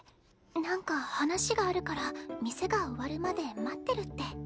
なんか話があるから店が終わるまで待ってるって。